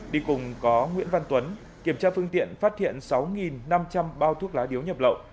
đi cùng có nguyễn văn tuấn kiểm tra phương tiện phát hiện sáu năm trăm linh bao thuốc lá điếu nhập lậu